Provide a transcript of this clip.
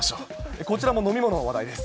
こちらも飲み物の話題です。